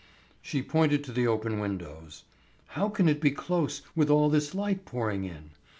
She pointed to the open windows. "How can it be close with all this light pouring in?